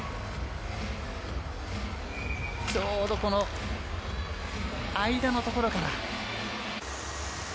ちょうどこの間のところから。